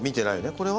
これは。